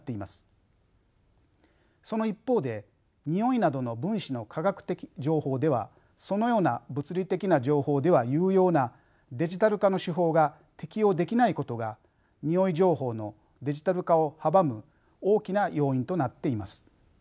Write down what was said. その一方でにおいなどの分子の化学的情報ではそのような物理的な情報では有用なデジタル化の手法が適用できないことがにおい情報のデジタル化を阻む大きな要因となっています。